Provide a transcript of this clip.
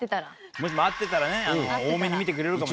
もしも合ってたらね多めに見てくれるかも。